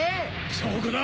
証拠だ！